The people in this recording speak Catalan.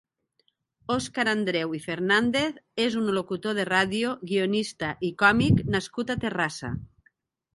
Òscar Andreu i Fernández és un locutor de ràdio, guionista i còmic nascut a Terrassa.